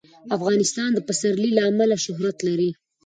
افغانستان د پسرلی له امله شهرت لري.